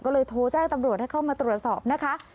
ก็เลยโทรแจ้งตำรวจให้เข้ามาตรวจสอบนะคะ